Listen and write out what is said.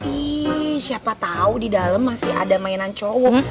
ih siapa tau di dalam masih ada mainan cowok